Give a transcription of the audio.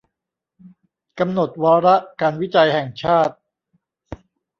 กำหนดวาระการวิจัยแห่งชาติ